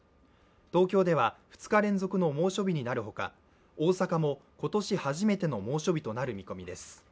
東京では２日連続の猛暑日になるほか大阪も今年初めての猛暑日となる見込みです。